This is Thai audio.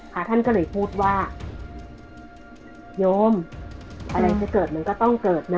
พระท่านก็เลยพูดว่าโยมอะไรจะเกิดมันก็ต้องเกิดนะ